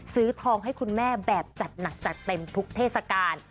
ซื้อทองให้คุณแม่แบบจัดหนักจัดเต็มทุกเทศกาล